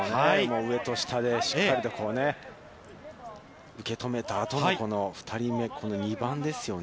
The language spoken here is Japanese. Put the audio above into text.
上と下でしっかりと受け止めた後のこの２人目、この２番ですよね。